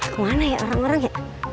kemana ya orang orang gitu